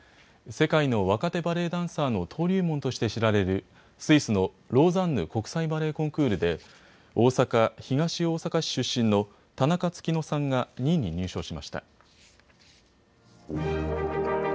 世界の若手バレエダンサーの登竜門として知られるスイスのローザンヌ国際バレエコンクールで大阪東大阪市出身の田中月乃さんが２位に入賞しました。